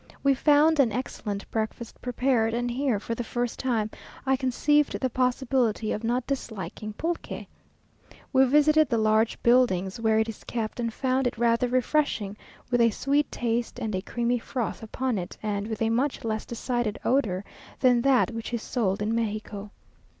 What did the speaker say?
We found an excellent breakfast prepared, and here, for the first time, I conceived the possibility of not disliking pulque. We visited the large buildings where it is kept, and found it rather refreshing, with a sweet taste and a creamy froth upon it, and with a much less decided odour than that which is sold in Mexico.